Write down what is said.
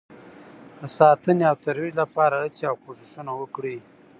د ساتنې او ترویج لپاره هڅې او کوښښونه وکړئ